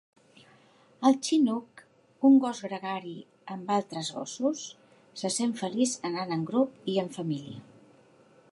El "chinook", un gos gregari amb altres gossos, se sent feliç anant en grup i en família.